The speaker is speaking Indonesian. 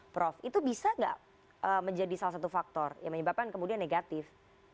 prof itu bisa nggak menjadi salah satu faktor yang menyebabkan kemudian negatif